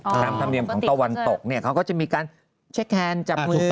ธรรมทรัมเนียมของตะวันตกเขาก็จะมีการเช็คแฮนจับมือ